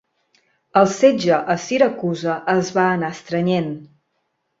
El setge a Siracusa es va anar estrenyent.